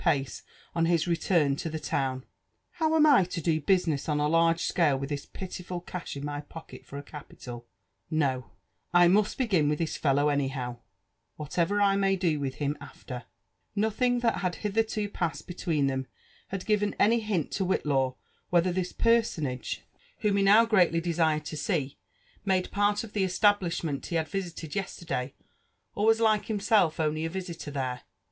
pace on his return to the town,^*' how am I to do business on a large scale with this pitiful cash in my pocket for a capital ?— No.— I mu&t begin with this fellow anyhow, whatever I may do with him after." Nothing that had hitherto passed between them had given any hint lo Whitlaw whether this personage, whom he now greatly desired to m Lfn ANB jiDf Bnrran 9t . im, inade pirt of th« MiiblithQieDt he had Tifl(«d ^pnterdfef ; of ^at i like hf^self^ ^h\y[ a vlftiler there.